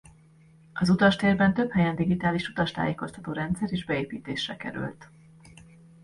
Az utastérben több helyen digitális utastájékoztató rendszer is beépítésre került.